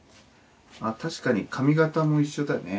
あ確かに髪形も一緒だね。